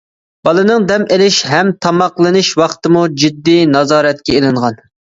بالىنىڭ دەم ئىلىش ھەم تاماقلىنىش ۋاقتىمۇ جىددىي نازارەتكە ئىلىنغان.